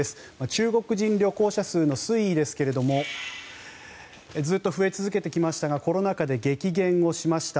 中国人旅行者数の推移ですがずっと増え続けてきましたがコロナ禍で激減しました。